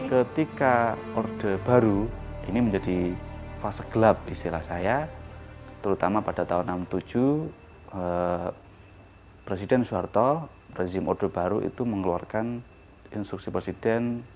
ketika orde baru ini menjadi fase gelap istilah saya terutama pada tahun seribu sembilan ratus enam puluh tujuh presiden soeharto rezim orde baru itu mengeluarkan instruksi presiden seribu empat ratus enam puluh tujuh